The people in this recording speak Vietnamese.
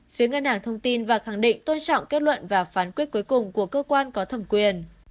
phía ngân hàng thông tin và khẳng định tôn trọng kết luận và phán quyết cuối cùng của cơ quan có thẩm quyền